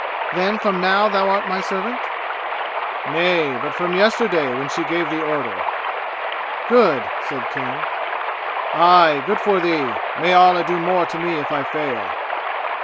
"Then from now thou art my servant?" "Nay, but from yesterday when she gave the order!" "Good!" said King. "Aye, good for thee! May Allah do more to me if I fail!"